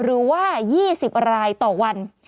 หรือว่า๒๐รายต่อวัน